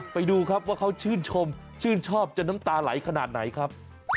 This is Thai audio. ไปดูครับว่าเขาชื่นชมชื่นชอบจนน้ำตาไหลขนาดไหนครับ